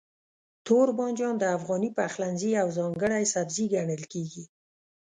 توربانجان د افغاني پخلنځي یو ځانګړی سبزی ګڼل کېږي.